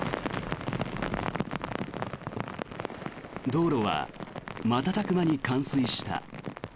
道路は瞬く間に冠水した。